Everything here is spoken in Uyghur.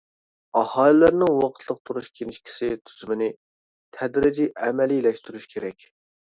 ئاھالىلەرنىڭ ۋاقىتلىق تۇرۇش كىنىشكىسى تۈزۈمىنى تەدرىجىي ئەمەلىيلەشتۈرۈش كېرەك.